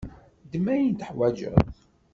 Ddem ayen tuḥwaǧeḍ.